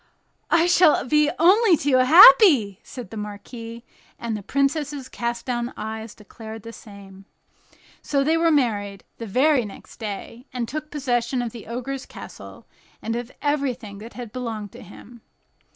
"I shall be only too happy," said the marquis, and the princess's cast down eyes declared the same. So they were married the very next day, and took possession of the Ogre's castle, and of everything that had belonged to him.